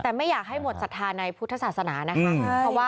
แต่ไม่อยากให้หมดศรัทธาในพุทธศาสนานะคะ